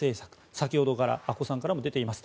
先ほどから阿古さんからも出ています。